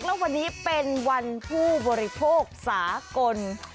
แล้ววันนี้เป็นวันผู้บริโภคสากล